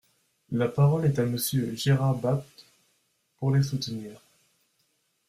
La parole est à Monsieur Gérard Bapt, pour les soutenir.